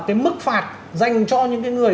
cái mức phạt dành cho những cái người